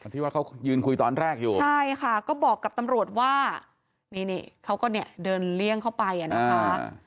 ที่ว่าเขายืนคุยตอนแรกอยู่ใช่ค่ะก็บอกกับตำรวจว่านี่นี่เขาก็เนี่ยเดินเลี่ยงเข้าไปอ่ะนะคะ